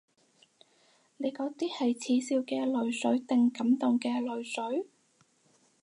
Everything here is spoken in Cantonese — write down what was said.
你嗰啲係恥笑嘅淚水定感動嘅淚水？